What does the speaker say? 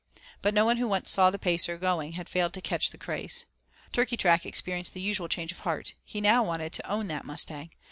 But no one who once saw the Pacer going had failed to catch the craze. Turkeytrack experienced the usual change of heart. He now wanted to own that mustang.